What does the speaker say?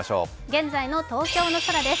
現在の東京の空です。